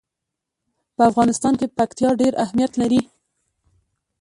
په افغانستان کې پکتیا ډېر اهمیت لري.